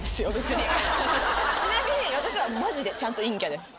ちなみに私はマジでちゃんと陰キャです。